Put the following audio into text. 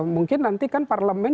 mungkin nanti kan parlement